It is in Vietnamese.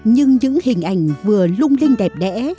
nhưng những hình ảnh vừa lung linh đẹp đẽ